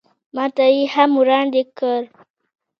ماته یې هم وړاندې کړ.